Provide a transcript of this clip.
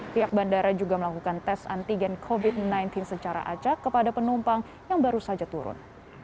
pihak bandara juga melakukan tes antigen covid sembilan belas secara acak kepada penumpang yang baru saja turun